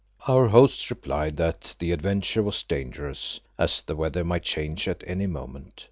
Our hosts replied that the adventure was dangerous, as the weather might change at any moment.